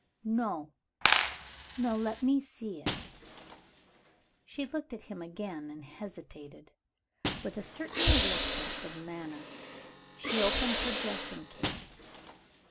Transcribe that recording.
"No, no! Let me see it." She looked at him again and hesitated. With a certain reluctance of manner, she opened her dressing case.